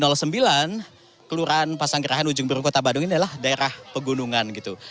rw sembilan kelurahan pasang gerahan ujung berung kota bandung ini adalah daerah pegunungan gitu